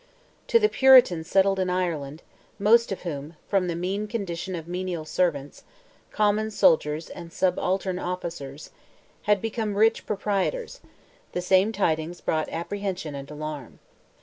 To the Puritans settled in Ireland, most of whom, from the mean condition of menial servants, common soldiers and subaltern officers, had become rich proprietors, the same tidings brought apprehension and alarm.